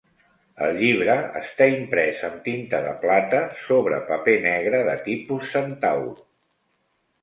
El llibre està imprès amb tinta de plata sobre paper negre de tipus Centaur.